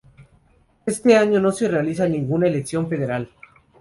Este año no se realiza ninguna elección federal.